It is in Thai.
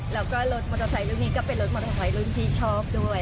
แล้วก็รถมอเตอร์ไซค์รุ่นนี้ก็เป็นรถมอเตอร์ไซค์รุ่นที่ชอบด้วย